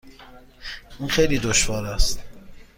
این خیلی دشوار است.